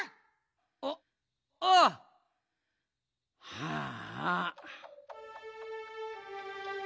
はあ。